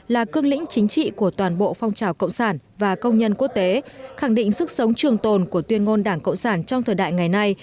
là cương lĩnh chính trị của toàn bộ phong trào cộng sản và công nhân quốc tế khẳng định sức sống trường tồn của tuyên ngôn đảng cộng sản trong thời đại ngày nay